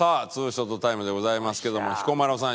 ショットタイムでございますけども彦摩呂さん